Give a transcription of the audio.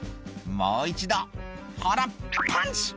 「もう一度ほらパンチ！」